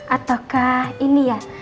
ataukah ini ya